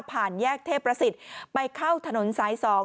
ผ่านแยกเทพฤษิตรไปเข้าถนนสายสอง